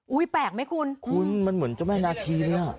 อุ้ยแปลกไหมคุณคุณมันเหมือนเจ้าแม่นาทีเนี่ย